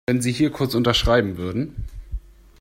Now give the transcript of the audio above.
Wenn Sie hier kurz unterschreiben würden.